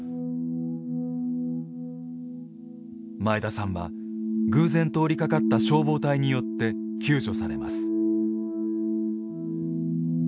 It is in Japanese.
前田さんは偶然通りかかった消防隊によって救助されます。